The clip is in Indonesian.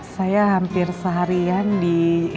saya hampir seharian di